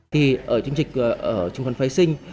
thì ở chứng khoán phái sinh